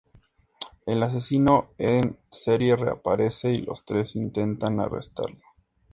El asesino en serie reaparece, y los tres intentan arrestarlo.